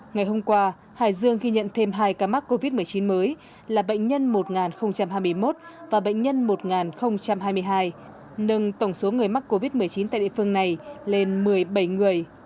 ngày hôm qua hải dương ghi nhận thêm hai ca mắc covid một mươi chín mới là bệnh nhân một nghìn hai mươi một và bệnh nhân một nghìn hai mươi hai nâng tổng số người mắc covid một mươi chín tại địa phương này lên một mươi bảy người